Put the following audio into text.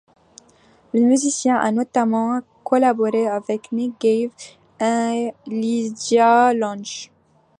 Le musicien a notamment collaboré avec Nick Cave et Lydia Lunch.